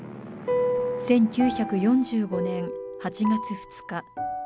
１９４５年８月２日